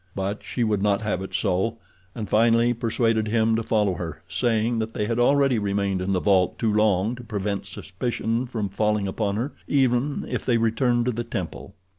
But she would not have it so, and finally persuaded him to follow her, saying that they had already remained in the vault too long to prevent suspicion from falling upon her even if they returned to the temple.